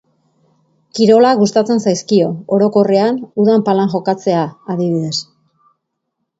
Kirolak gustatzen zaizkio, orokorrean, udan palan jokatzea, adibidez.